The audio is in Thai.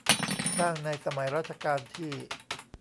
สร้างในสมัยรัชกาลที่